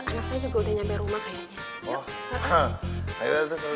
anak saya juga udah nyampe rumah kayaknya